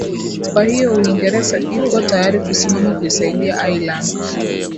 kwa hiyo uingereza ipo tayari kusimama kuisaidia ireland